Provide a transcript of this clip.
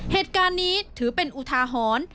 เหตุการณ์นี้ถือเป็นอุทาหรณ์